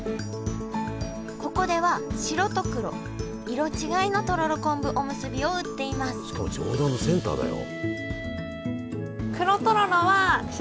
ここでは白と黒色違いのとろろ昆布おむすびを売っていますしかも上段のセンターだよ。